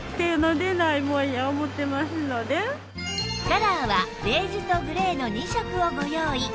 カラーはベージュとグレーの２色をご用意